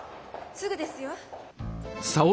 すぐですよ。